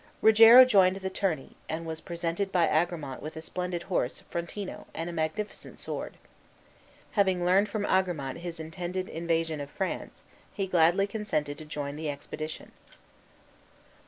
Rogero joined the tourney, and was presented by Agramant with a splendid horse, Frontino, and a magnificent sword. Having learned from Agramant his intended invasion of France, he gladly consented to join the expedition.